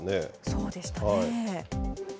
そうでしたね。